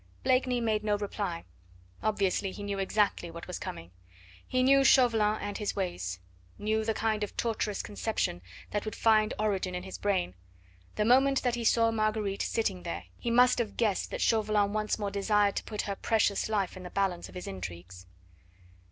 Blakeney made no reply. Obviously he knew exactly what was coming. He knew Chauvelin and his ways, knew the kind of tortuous conception that would find origin in his brain; the moment that he saw Marguerite sitting there he must have guessed that Chauvelin once more desired to put her precious life in the balance of his intrigues.